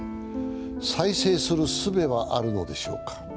再生するすべはあるのでしょうか。